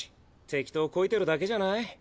適当こいてるだけじゃない？